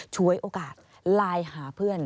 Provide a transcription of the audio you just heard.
ฉวยโอกาสไลน์หาเพื่อน